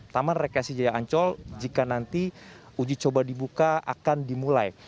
taman rekreasi jaya ancol jika nanti uji coba dibuka akan dimulai